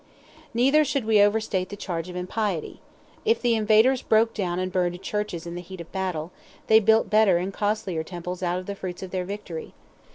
Neither should we overstate the charge of impiety. If the invaders broke down and burned churches in the heat of battle, they built better and costlier temples out of the fruits of victory.